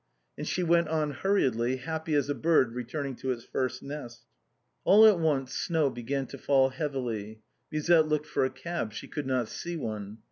And she went on hurriedly, happy as a bird returning to its first nest. x411 at once snow began to fall heavily. Musette looked for a cab. She could not see one.